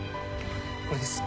これです。